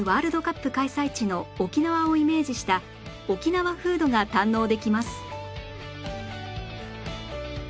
開催地の沖縄をイメージした沖縄フードが堪能できます